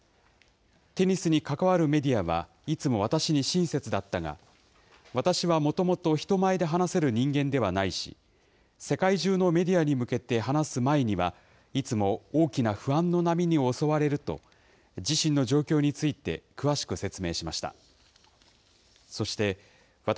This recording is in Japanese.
テニスに関わるメディアは、いつも私に親切だったが、私はもともと人前で話せる人間ではないし、世界中のメディアに向けて話す前には、いつも大きな不安の波に襲われると、自身の状況について、詳しく説明しました。